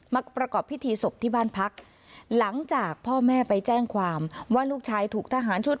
ประกอบพิธีศพที่บ้านพักหลังจากพ่อแม่ไปแจ้งความว่าลูกชายถูกทหารชุด